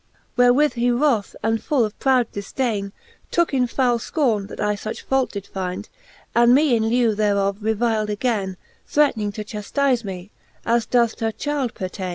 Wherewith he wroth, and full of proud difdaine, Tooke in foule fcorne, that I fuch fault did find, And me in lieu thereof revil'd againe, Threatning to chaftize, me as doth t'a chyld pertaine.